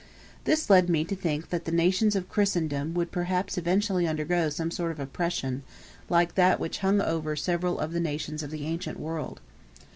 This led me to think that the nations of Christendom would perhaps eventually undergo some sort of oppression like that which hung over several of the nations of the ancient world.